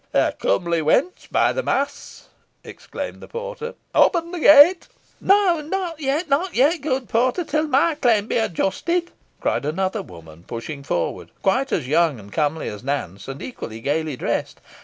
"A comely wench, by the mass!" exclaimed the porter. "Open the gate." "No not yet not yet, good porter, till my claim be adjusted," cried another woman, pushing forward, quite as young and comely as Nance, and equally gaily dressed.